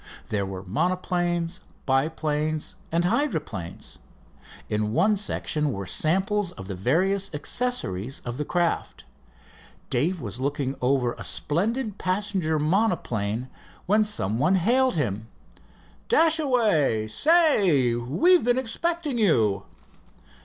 There were monoplanes, biplanes, and hydroplanes. In one section were samples of the various accessories of the craft. Dave was looking over a splendid passenger monoplane when some one hailed him. "Dashaway say, we've been expecting you."